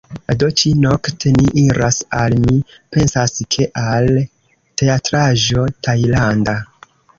Do, ĉi-nokte ni iras al... mi pensas, ke al teatraĵo tajlanda